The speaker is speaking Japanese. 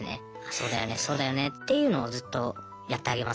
そうだよね」っていうのをずっとやってあげますね。